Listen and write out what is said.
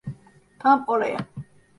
Tam oraya.